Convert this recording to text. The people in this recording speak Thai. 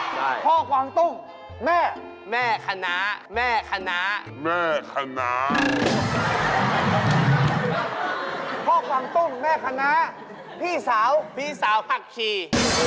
่อบฟังต้มแม่คณัต่อของบางต้มแม่คณะพี่สาวพี่สาวพักขี้